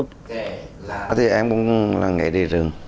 thì em cũng là nghệ địa trường